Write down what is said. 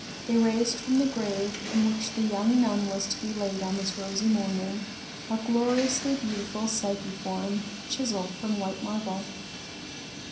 They raised from the grave, in which the young nun was to be laid on this rosy morning, a gloriously beautiful Psyche form, chiseled from white marble.